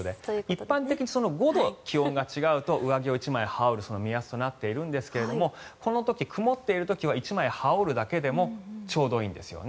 一般的に５度気温が違うと上着を１枚羽織るその目安となっているんですがこの時、曇っている時は１枚羽織るだけでもちょうどいいんです。